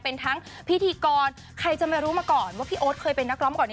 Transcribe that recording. เป็นทั้งพิธีกรใครจะไม่รู้มาก่อนว่าพี่โอ๊ตเคยเป็นนักร้องก่อนนี้